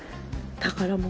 宝物。